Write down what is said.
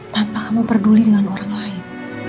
tanpa kamu peduli dengan orang lain